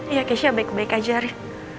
iya keisha baik baik aja rick